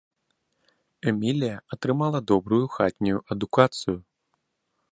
Эмілія атрымала добрую хатнюю адукацыю.